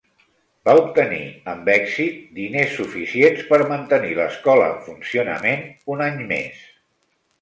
Va obtenir, amb èxit, diners suficients per mantenir l'escola en funcionament un any més.